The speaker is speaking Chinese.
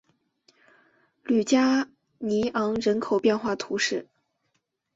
吕加尼昂人口变化图示